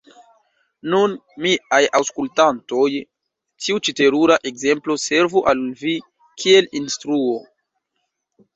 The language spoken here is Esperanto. Nun, miaj aŭskultantoj, tiu ĉi terura ekzemplo servu al vi kiel instruo!